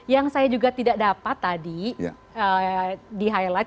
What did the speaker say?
yang saya juga tidak dapat tadi di highlight